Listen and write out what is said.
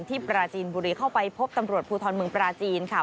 ปราจีนบุรีเข้าไปพบตำรวจภูทรเมืองปราจีนค่ะ